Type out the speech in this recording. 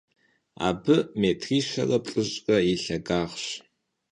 Абы метрищэрэ плӏыщӏрэ и лъагагъщ.